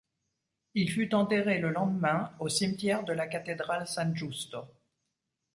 Il fut enterré le lendemain au cimetière de la cathédrale San Giusto.